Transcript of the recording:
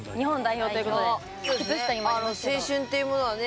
青春っていうものはね